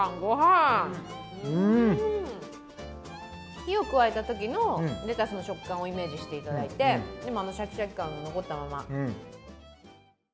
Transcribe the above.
火を加えたときのレタスの食感をイメージしていただいて、でもシャキシャキ感は残ったまま。